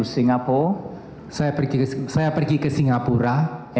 saya pergi ke singapura